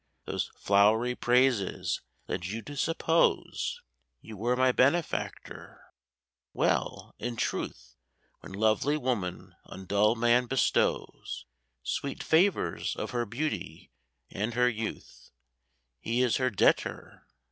Those flowery praises led you to suppose You were my benefactor. Well, in truth, When lovely woman on dull man bestows Sweet favours of her beauty and her youth, He is her debtor.